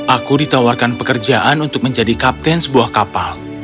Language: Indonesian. aku ditawarkan pekerjaan untuk menjadi kapten sebuah kapal